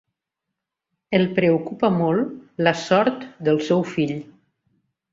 El preocupa molt la sort del seu fill.